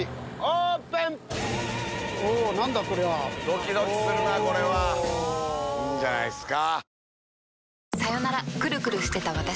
ドキドキするなこれはいいんじゃないですか。